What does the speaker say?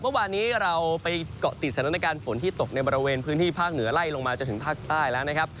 เมื่อวานนี้เราไปเกาะติดสถานการณ์ฝนที่ตกในบริเวณพื้นที่ภาคเหนือไล่ลงมาจนถึงภาคใต้แล้วนะครับ